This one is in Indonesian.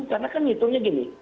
karena kan hitungnya gini